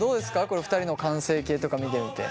これ２人の完成形とか見てみて。